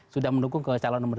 sudah mendukung ke calon nomor